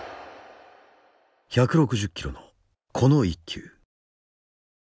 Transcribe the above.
１６０キロのこの１球。